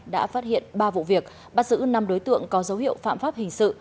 đã phát hiện ba vụ việc bắt giữ năm đối tượng có dấu hiệu phạm pháp hình sự